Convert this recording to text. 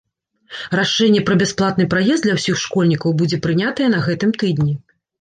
Рашэнне пра бясплатны праезд для ўсіх школьнікаў будзе прынятае на гэтым тыдні.